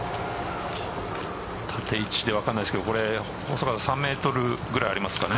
縦位置で分からないですけど恐らく３メートルぐらいありますかね。